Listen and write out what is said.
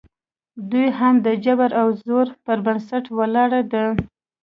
دوهمه یې د جبر او زور پر بنسټ ولاړه ده